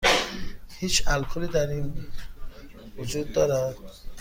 هیچ الکلی در این وجود دارد؟